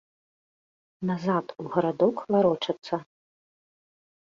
Назад, у гарадок варочацца?